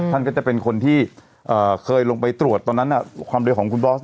ท่านก็จะเป็นคนที่เคยลงไปตรวจตอนนั้นความเร็วของคุณบอส